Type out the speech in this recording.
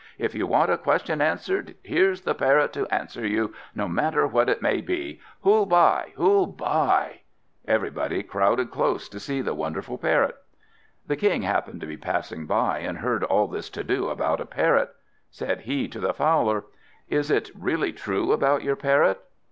If you want a question answered here's the Parrot to answer you, no matter what it may be! Who'll buy, who'll buy?" Everybody crowded round to see the wonderful Parrot. The King happened to be passing by, and heard all this to do about a Parrot. Said he to the Fowler "Is it really true about your Parrot?"